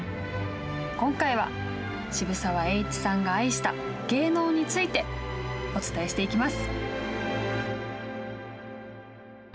今回は、渋沢栄一さんが愛した芸能についてお伝えしていきます。